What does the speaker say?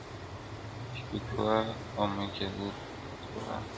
چي فتوا و میکدو ته په تلو راوړي,